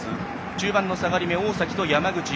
中盤の下がりめ、大崎と山口蛍。